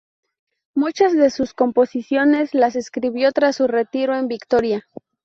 Muchas de sus composiciones las escribió tras su retiro en Victoria.